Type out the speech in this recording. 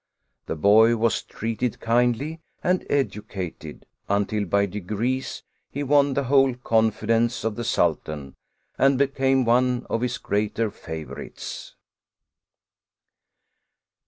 The boy was treated kindly and educated, until by degrees he won the whole confi dence of the Sultan and became one of his greater favorites.